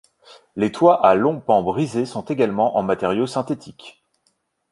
Les toits à longs pans brisés sont également en matériaux synthétiques.